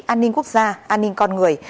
an ninh quốc gia an ninh con người